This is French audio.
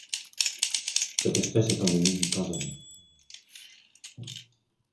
Cette espèce est endémique du Tanzanie.